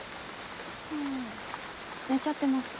ああ寝ちゃってます。